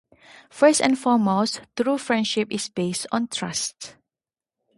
First and foremost, true friendship is based on trust.